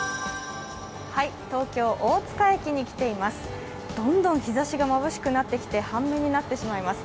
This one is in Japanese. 東京・大塚駅に来ています。